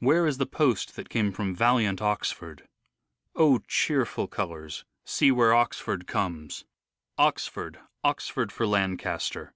1 1 Where is the post that came from valiant Oxford ?''" O cheerful colours ! see where Oxford comes." "Oxford, Oxford, for Lancaster."